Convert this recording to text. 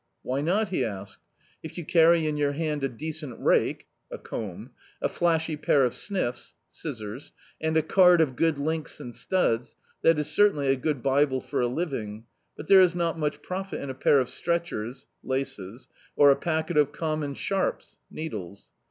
'*Why not," he asked; "if you carry in your hand a decent rake (a c«nb), a flashy p»r of sniffs (scissors) and a card of good links and studs — that is certainly a good bible for a living; but there is not much profit in a pair of stretchers (laces) or a packet of amimon sharps (needles).